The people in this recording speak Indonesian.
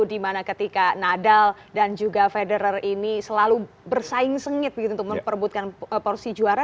dimana ketika nadal dan juga federer ini selalu bersaing sengit begitu untuk memperbutkan porsi juara